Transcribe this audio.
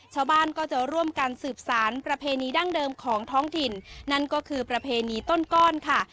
ชาวบ้านก็จะร่วมกันสืบสารประเพณีดั้งเดิมของท้องถิ่นนั่นก็คือประเพณีต้นก้อนค่ะ